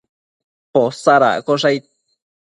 Posadaccosh aid